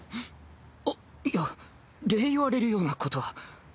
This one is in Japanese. あっいや礼言われるようなことは。